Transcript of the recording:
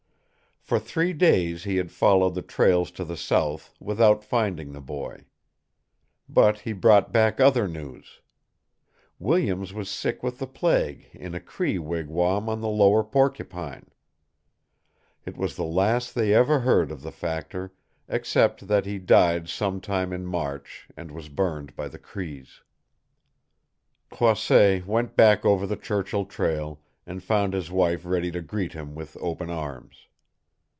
For three days he had followed the trails to the south without finding the boy. But he brought back other news. Williams was sick with the plague in a Cree wigwam on the lower Porcupine. It was the last they ever heard of the factor, except that he died some time in March, and was burned by the Crees. Croisset went back over the Churchill trail, and found his wife ready to greet him with open arms.